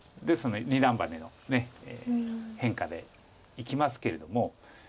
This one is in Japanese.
で二段バネの変化でいきますけれども。